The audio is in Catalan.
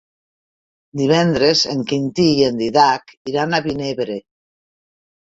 Divendres en Quintí i en Dídac iran a Vinebre.